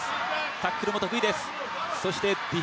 タックルも得意です。